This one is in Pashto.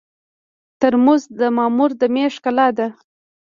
ترموز د مامور د مېز ښکلا ده.